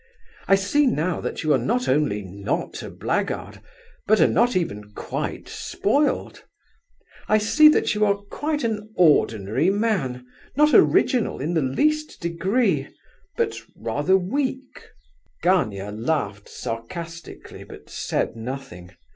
I see now that you are not only not a blackguard, but are not even quite spoiled. I see that you are quite an ordinary man, not original in the least degree, but rather weak." Gania laughed sarcastically, but said nothing.